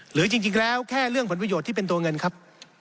หรือจริงแล้วแค่เรื่องผลประโยชน์ที่เป็นตัวเงินครับ